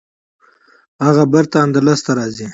هغه بیرته اندلس ته راځي.